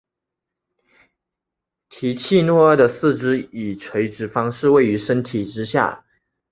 提契诺鳄的四肢以垂直方式位于身体之下。